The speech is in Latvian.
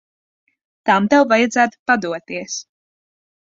Tam tev vajadzētu padoties.